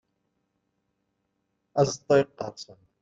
Azeṭṭa yeqqerṣen.